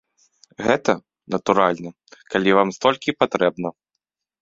Гэта, натуральна, калі вам столькі патрэбна.